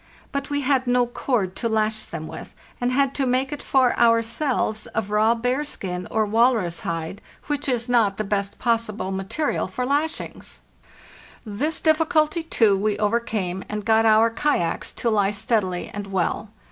But we had no cord to lash them with, and had to make it for ourselves of raw bearskin or walrus hide, which is not the 484 FARTHEST NORTH best possible material for lashings. This difficulty, too, we overcame, and got our kayaks to lie steadily and well.